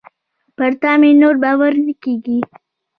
پر تا مي نور باور نه کېږي .